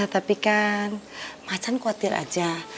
tapi kan macan khawatir aja